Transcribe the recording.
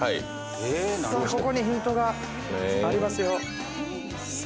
さあここにヒントがありますよ。